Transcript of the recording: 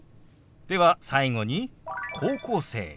では最後に「高校生」。